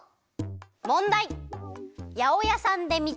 もんだい！